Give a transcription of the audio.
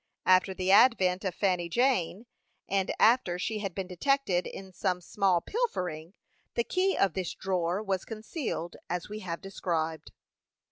After the advent of Fanny Jane, and after she had been detected in some small pilfering, the key of this drawer was concealed as we have described.